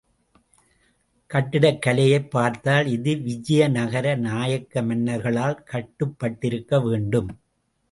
கட்டிடக் கலையைப் பார்த்தால் இது விஜயநகர நாய்க்க மன்னர்களால் கட்டப்பட்டிருக்க வேண்டும்.